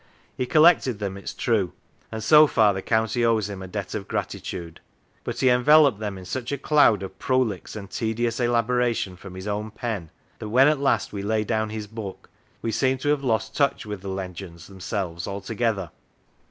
He collected them, it is true, and so far the county owes him a debt of gratitude. But he enveloped them in such a cloud of prolix and tedious elaboration from his own pen, that when at last we lay down his book, we seem to have lost touch with the legends themselves altogether.